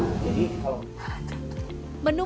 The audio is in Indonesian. menuh makanan dan minuman perut